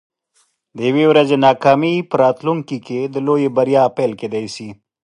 د یوې ورځې ناکامي په راتلونکي کې د لویې بریا پیل کیدی شي.